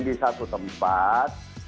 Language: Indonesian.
di satu tempat